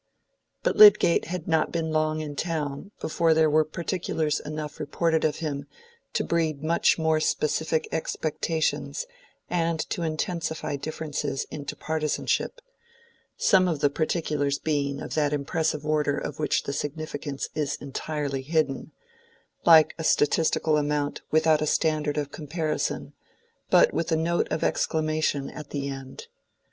But Lydgate had not been long in the town before there were particulars enough reported of him to breed much more specific expectations and to intensify differences into partisanship; some of the particulars being of that impressive order of which the significance is entirely hidden, like a statistical amount without a standard of comparison, but with a note of exclamation at the end.